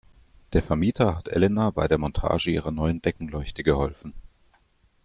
Der Vermieter hat Elena bei der Montage ihrer neuen Deckenleuchte geholfen.